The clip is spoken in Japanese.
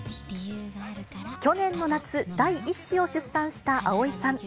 去年の夏、第１子を出産した蒼井さん。